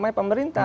yang dalam hal ini